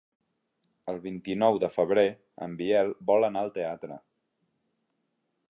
El vint-i-nou de febrer en Biel vol anar al teatre.